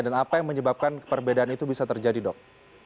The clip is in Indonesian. dan apa yang menyebabkan perbedaan itu bisa terjadi dok